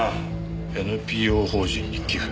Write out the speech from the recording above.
ＮＰＯ法人に寄付。